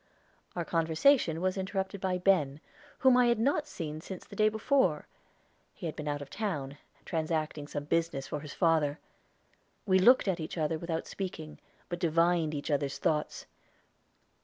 Our conversation was interrupted by Ben, whom I had not seen since the day before. He had been out of town, transacting some business for his father. We looked at each other without speaking, but divined each other's thoughts.